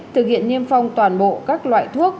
thực hiện niêm phong toàn bộ các loại thuốc